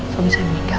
suami saya meninggal